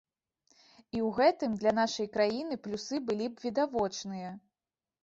І ў гэтым для нашай краіны плюсы былі б відавочныя.